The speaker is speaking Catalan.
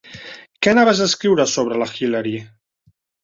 Què anaves a escriure sobre la Hillary?